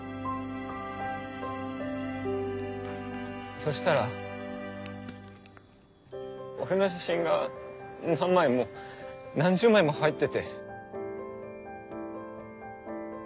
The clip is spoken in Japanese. そしたら俺の写真が何枚も何十枚も入ってて。